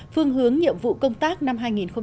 phương hướng nhiệm vụ công tác năm hai nghìn một mươi tám